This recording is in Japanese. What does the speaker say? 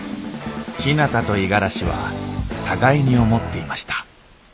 ひなたと五十嵐は互いに思っていました